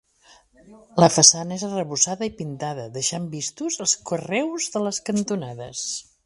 La façana és arrebossada i pintada deixant vistos els carreus de les cantonades.